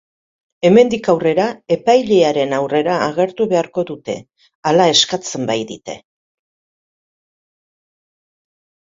Hemendik aurrera, epailearen aurrera agertu beharko dute, hala eskatzen badiete.